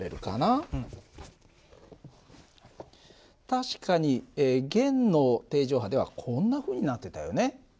確かに弦の定常波ではこんなふうになってたよね。